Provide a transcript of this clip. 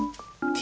Ｔ。